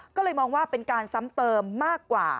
ก็เลยมองว่าเป็นการซ้ำเติมมากกว่า